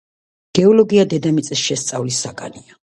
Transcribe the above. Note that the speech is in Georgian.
გეოლოგია დედამიწის შესწავლის საგანია.